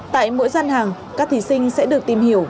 tại mỗi gian hàng các thí sinh sẽ được tìm hiểu